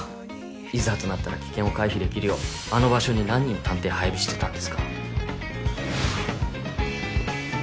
いざとなったら危険を回避できるようあの場所に何人探偵配備してたんですか？